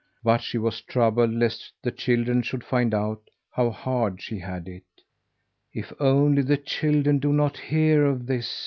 But she was troubled lest the children should find out how hard she had it. "If only the children do not hear of this!